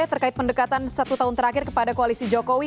terkait pendekatan satu tahun terakhir kepada koalisi jokowi